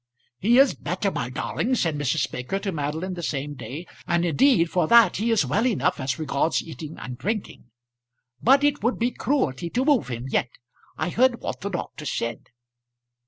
"He is better, my darling," said Mrs. Baker to Madeline, the same day; "and, indeed, for that he is well enough as regards eating and drinking. But it would be cruelty to move him yet. I heard what the doctor said."